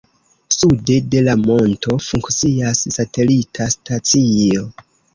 Sude de la monto funkcias satelita stacio.